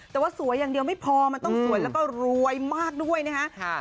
แต่ว่าสวยอย่างเดียวไม่พอมันต้องสวยแล้วก็รวยมากด้วยนะฮะ